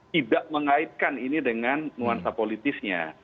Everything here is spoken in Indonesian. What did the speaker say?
tidak mengaitkan ini dengan nuansa politisnya